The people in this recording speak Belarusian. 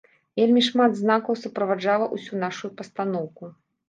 Вельмі шмат знакаў суправаджала ўсю нашую пастаноўку.